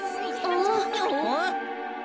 あっ？